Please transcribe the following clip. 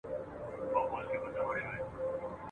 د ملا مېرمني ونيول غوږونه !.